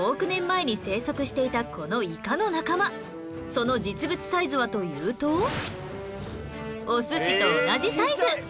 その実物サイズはというとお寿司と同じサイズ！